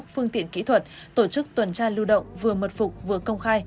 phương tiện kỹ thuật tổ chức tuần tra lưu động vừa mật phục vừa công khai